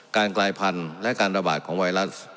กลายพันธุ์และการระบาดของไวรัส